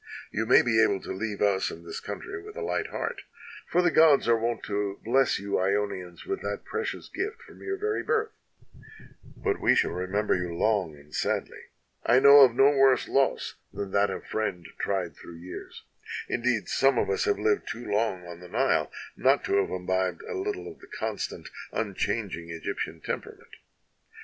You may be able to leave us and this country with a light heart, for the gods are wont to bless you lonians with that precious gift from your very birth, but we shall remember you long and sadly. I know of no worse loss than that of a friend tried through years; indeed, some of us have lived too long on the Nile not to have imbibed a little of the constant, unchanging Egyptian temperament.